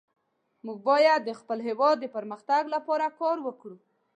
موږ باید د خپل هیواد د پرمختګ لپاره کار وکړو